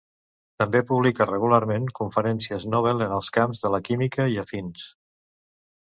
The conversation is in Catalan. També publica regularment conferències Nobel en els camps de la química i afins.